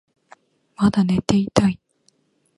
まだ寝ていたい